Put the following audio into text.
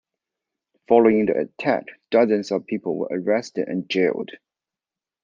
Following the attack, dozens of people were arrested and jailed.